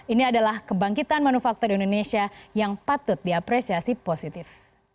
ini adalah kebangkitan manufaktur di indonesia yang patut diapresiasi positif